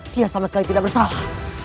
dia sama sekali tidak bersalah